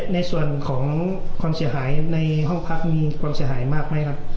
ในส่วนของความเสียหายในห้องพักมีความเสียหายมากไหมครับ